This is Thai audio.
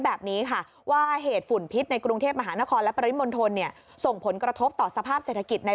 แบบนี้ค่ะว่าเหตุฝุ่นพิษในกรุงเทพมหานครและปริมณฑลเนี่ยส่งผลกระทบต่อสภาพเศรษฐกิจใน